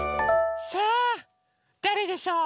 さあだれでしょう？